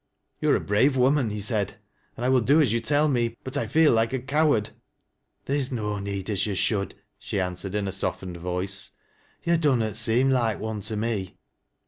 " You are a brave woman," he said, " and 1 will do ae you tell me, but I feel like a coward." " Theer is no need as you should," she answered in a softened voice. " Yo' dunnot seem loike one to me."